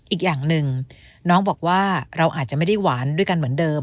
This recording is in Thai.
อีกอย่างหนึ่งน้องบอกว่าเราอาจจะไม่ได้หวานด้วยกันเหมือนเดิม